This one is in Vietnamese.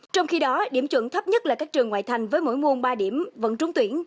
trong khi đó điểm chuẩn thấp nhất là các trường ngoại thành với mỗi môn ba điểm vẫn trúng tuyển